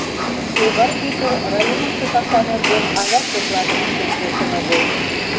Эвай Пӧтыр районысо паша нерген алят докладым ыштен кертын огыл.